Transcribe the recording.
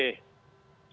ya terima kasih